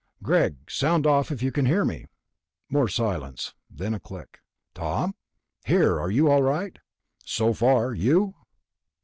"Greg! Sound off if you can hear me." More silence. Then a click. "Tom?" "Here. Are you all right?" "So far. You?"